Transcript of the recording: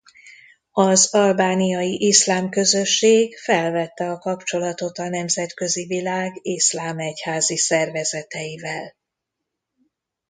Az albániai iszlám közösség felvette a kapcsolatot a nemzetközi világ iszlám egyházi szervezeteivel.